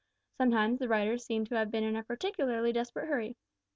Sometimes the writers seem to have been in a particularly desperate hurry.